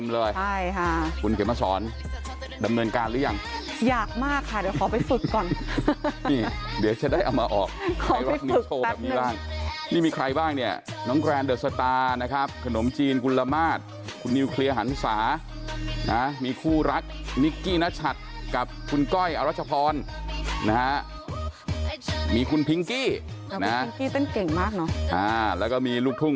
และเป็นที่ชื่นชมมากที่มีความสามารถ